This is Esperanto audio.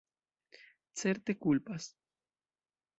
Certe, kulpas!